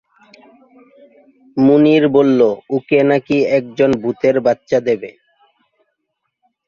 মুনির বললো, ওকে নাকি একজন ভূতের বাচ্চা দেবে।